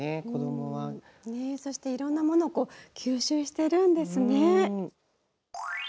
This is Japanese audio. そしていろんなものを吸収してるんですね。